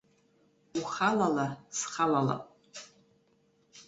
Ухалала, схалалап.